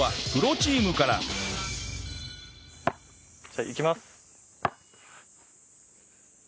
じゃあいきます。